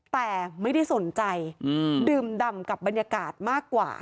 แต่ไม่ได้สนใจดื่มดำกับบรรยากาศมากกว่า